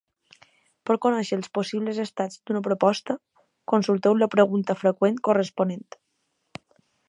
Per conèixer els possibles estats d'una proposta, consulteu la pregunta freqüent corresponent.